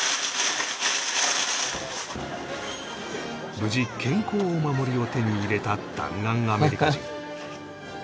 無事健康お守りを手に入れた弾丸アメリカ人